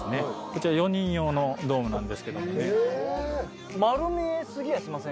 こちら４人用のドームなんですけどもね。